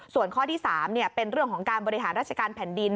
ส่วนข้อที่๓เป็นเรื่องของการบริหารราชการแผ่นดิน